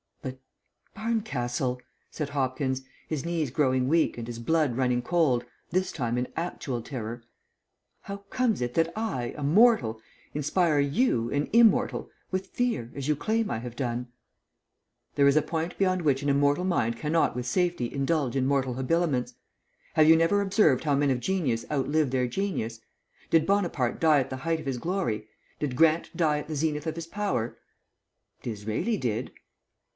"But, Barncastle," said Hopkins, his knees growing weak and his blood running cold, this time in actual terror, "how comes it that I, a mortal, inspire you, an immortal, with fear, as you claim I have done?" "There is a point beyond which an immortal mind cannot with safety indulge in mortal habiliments. Have you never observed how men of genius outlive their genius? Did Bonaparte die at the height of his glory? Did Grant die at the zenith of his power?" "D'Israeli did."